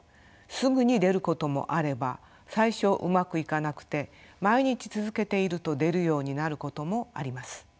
すぐに出ることもあれば最初うまくいかなくて毎日続けていると出るようになることもあります。